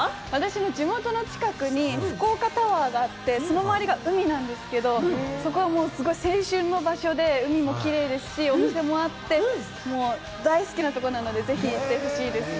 地元の近くに福岡タワーがあってその周り、海なんですけど、青春の場所で、海もキレイですし、お店もあって、大好きなところなので、ぜひ、行ってほしいですね。